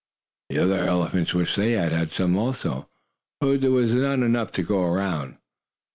The other elephants wished they had had some also, but there was not enough to go around.